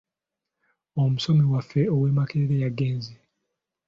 Omusomi waffe ow'e Makerere yagenze.